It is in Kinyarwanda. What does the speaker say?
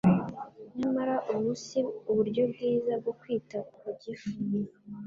Nyamara ubu si uburyo bwiza bwo kwita ku gifu.